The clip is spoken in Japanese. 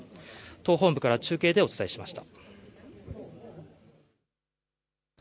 党本部から中継でお伝えしました。